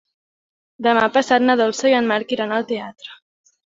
Demà passat na Dolça i en Marc iran al teatre.